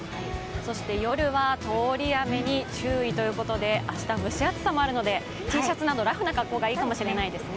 夜は通り雨に注意ということで、明日、蒸し暑さもあるので、Ｔシャツなどラフな格好がいいかもしれないですね。